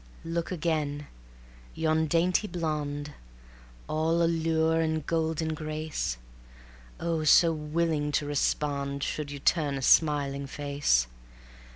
Look again: yon dainty blonde, All allure and golden grace, Oh so willing to respond Should you turn a smiling face.